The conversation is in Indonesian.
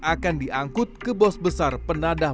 akan diangkut ke bos besar penadah